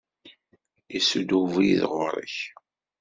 Isudd ubrid ɣur-k.